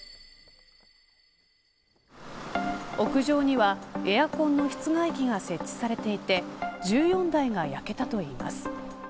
屋上にはエアコンの室外機が設置されていて１４台が焼けたといいます。